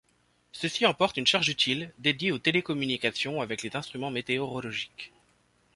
Ceux-ci emportent une charge utile dédiée aux télécommunications avec les instruments météorologiques.